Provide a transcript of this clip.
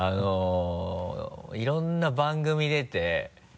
いろんな番組出て。